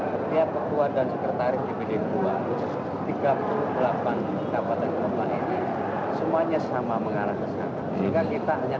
setiap ketua dan sekretaris dpd dua tiga puluh delapan kabupaten keempat ini semuanya sama mengarah ke sana